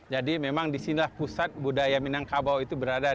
jadi memang di sinilah pusat budaya minangkabau itu berada